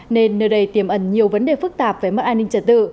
nên nơi đây tiềm ẩn nhiều vấn đề phức tạp về mất an ninh trật tự